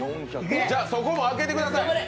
そこも開けてください。